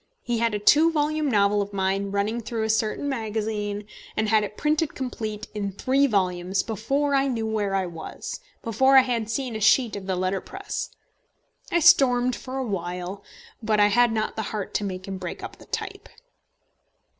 He had a two volume novel of mine running through a certain magazine, and had it printed complete in three volumes before I knew where I was, before I had seen a sheet of the letterpress. I stormed for a while, but I had not the heart to make him break up the type.